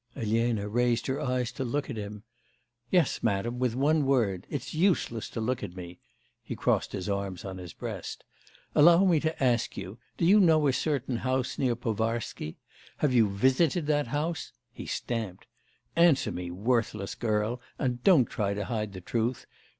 Elena raised her eyes to look at him. 'Yes, madam, with one word! It's useless to look at me!' (He crossed his arms on his breast.) 'Allow me to ask you, do you know a certain house near Povarsky? Have you visited that house?' (He stamped.) 'Answer me, worthless girl, and don't try to hide the truth.